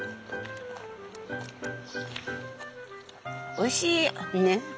おいしい！ね。